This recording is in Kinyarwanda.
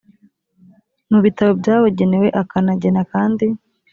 mu bitabo byabugenewe akanagena kandi